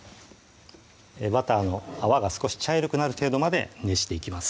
バターの泡が少し茶色くなる程度まで熱していきます